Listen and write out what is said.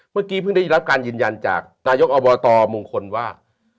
เมื่อกี้เพิ่งได้รับการยืนยันจากนายกอบตมงคลว่า